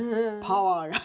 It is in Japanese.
パワーが。